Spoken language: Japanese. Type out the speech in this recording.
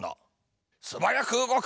すばやくうごく！